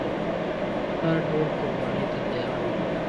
هر ډول قربانۍ ته تیار ول.